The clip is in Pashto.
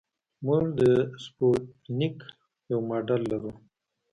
موږ د سپوتنیک یو ماډل لرو